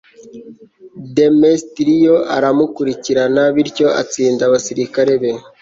demetiriyo aramukurikirana, bityo atsinda abasirikare be